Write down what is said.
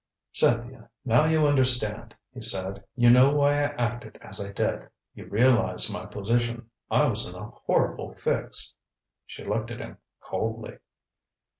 "Cynthia, now you understand," he said. "You know why I acted as I did. You realize my position. I was in a horrible fix " She looked at him coldly.